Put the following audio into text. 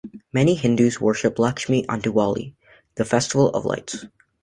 Many Hindus worship Lakshmi on Diwali, the festival of lights.